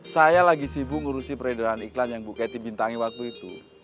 saya lagi sibuk ngurusi peredaran iklan yang bu ketty bintangi waktu itu